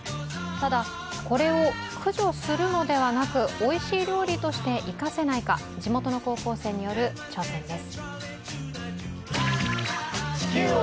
ただ、これを駆除するのではなくおいしい料理として生かせないか、地元の高校生による挑戦です。